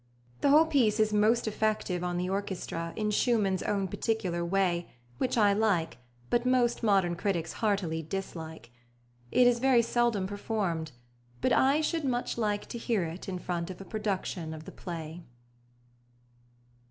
The whole piece is most effective on the orchestra, in Schumann's own particular way, which I like, but most modern critics heartily dislike. It is very seldom performed, but I should much like to hear it in front of a production of the play.